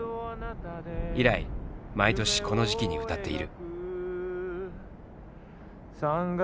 以来毎年この時期に歌っている。